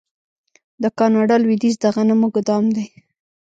د کاناډا لویدیځ د غنمو ګدام دی.